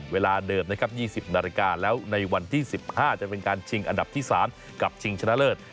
เวลาเดิมนะครับ๒๐นาฬิกาแล้วในวันที่๑๕จะเป็นการชิงอันดับที่๓กับชิงชนะเลิศ